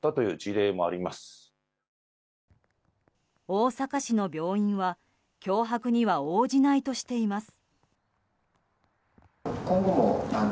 大阪市の病院は脅迫には応じないとしています。